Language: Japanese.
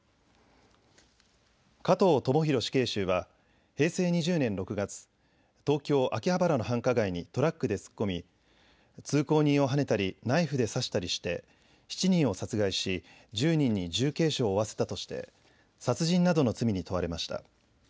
加藤智大死刑囚は平成２０年６月、東京秋葉原の繁華街にトラックで突っ込み通行人をはねたりナイフで刺したりして７人を殺害し１０人に重軽傷を負わせたとして殺人などの罪に問われました。